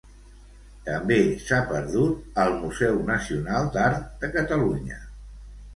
També s'ha perdut al Museu Nacional d'Art de Catalunya.